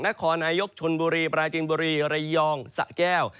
นครนายกชนบุรีปราจินบุรีระยองสะแก้ว